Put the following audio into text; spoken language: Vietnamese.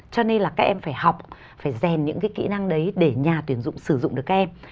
cho nên là các em phải học phải rèn những cái kỹ năng đấy để nhà tuyển dụng sử dụng được các em